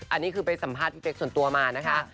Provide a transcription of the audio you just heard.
อันนี้คือไปสัมภาษณ์พี่เป๊กส่วนตัวมานะคะ